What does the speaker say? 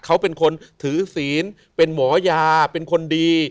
เขาเป็นคนถือศีลเป็นหมอยาเป็นคนดี